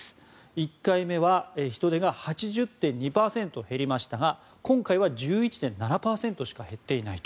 １回目は人出が８０．２％減りましたが今回は１１．７％しか減っていないと。